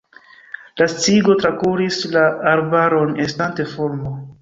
La sciigo trakuris la arbaron estante fulmo.